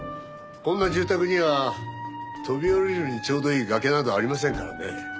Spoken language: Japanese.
こんな住宅には飛び降りるのにちょうどいい崖などありませんからね。